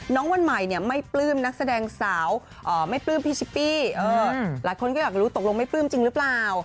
วันใหม่เนี่ยไม่ปลื้มนักแสดงสาวไม่ปลื้มพี่ชิปปี้หลายคนก็อยากรู้ตกลงไม่ปลื้มจริงหรือเปล่า